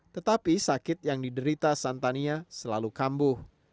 tetapi sakit yang diderita santania selalu kambuh